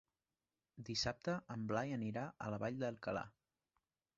Dissabte en Blai anirà a la Vall d'Alcalà.